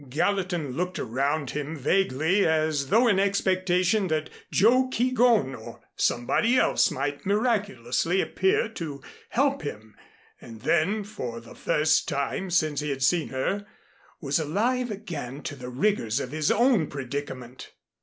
Gallatin looked around him vaguely, as though in expectation that Joe Keegón or somebody else might miraculously appear to help him, and then for the first time since he had seen her, was alive again to the rigors of his own predicament.